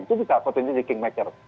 itu bisa potensi kingmaker